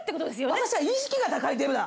私は意識が高いデブだ。